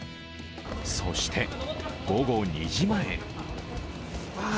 そして、午後２時前。